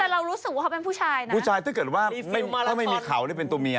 แต่เรารู้สึกว่าเขาเป็นผู้ชายนะผู้ชายถ้าเกิดว่าถ้าไม่มีเขาหรือเป็นตัวเมีย